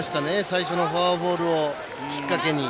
最初のフォアボールをきっかけに。